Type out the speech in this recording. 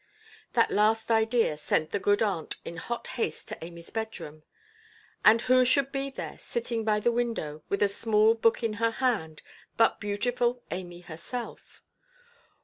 That last idea sent the good aunt in hot haste to Amyʼs bedroom; and who should be there, sitting by the window, with a small book in her hand, but beautiful Amy herself.